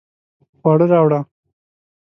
خواړه راوړه